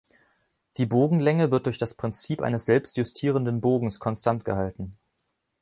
Die Bogenlänge wird durch das Prinzip eines selbstjustierenden Bogens konstant gehalten.